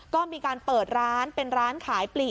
ก็มีการเปิดร้านเป็นร้านขายปลี